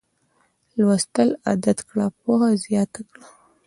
لوستل عادت کړه پوهه زیاته کړه